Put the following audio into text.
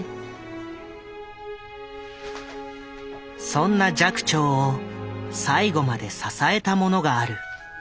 そんな寂聴を最後まで支えたものがある。